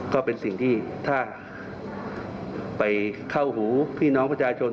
ก็เป็นสิ่งที่ถ้าไปเข้าหูพี่น้องประชาชน